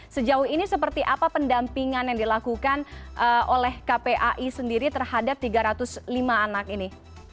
sejauh ini seperti apa pendampingan yang dilakukan oleh kpai sendiri terhadap tiga ratus lima anak ini